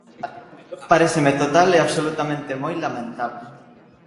Paréceme total e absolutamente moi lamentable.